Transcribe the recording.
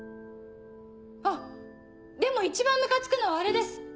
あっでも一番ムカつくのはあれです。